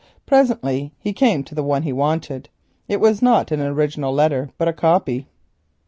Presently he came to the one he wanted—a letter. It was not an original letter, but a copy.